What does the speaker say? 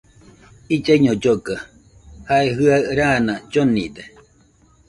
Illaiño lloga, jae jɨaɨ raana llonide